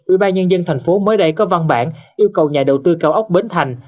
ủy ban nhân dân tp mới đây có văn bản yêu cầu nhà đầu tư cao ốc bến thành